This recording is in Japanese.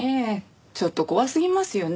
ちょっと怖すぎますよね。